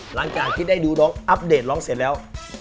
หลังจากที่ได้ดูร้องอัปเดตร้องเสร็จแล้ว